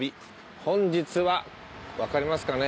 本日はわかりますかね？